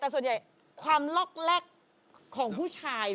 แต่ส่วนใหญ่ความลอกแรกของผู้ชาย